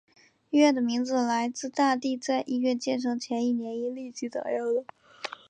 医院的名字来自大帝在医院建成前一年因痢疾早夭的。